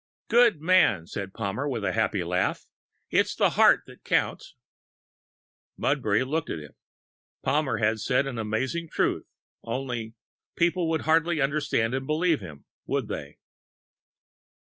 "Good man!" said Palmer with a happy laugh. "It's the heart that counts." Mudbury looked at him. Palmer had said an amazing truth, only people would hardly understand and believe him.... Would they?